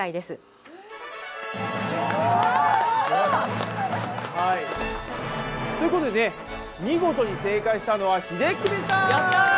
すごい！はいということで見事に正解したのはひでっくでした！